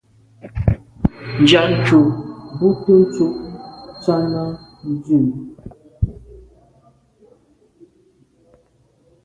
Njantùn bùnte ntshob Tshana ndù.